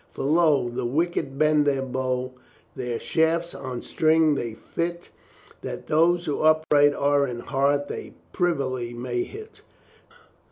For, lo, the wicked bend their bow, Their shafts on string they fit. That those who upright are in heart, They privily may hit.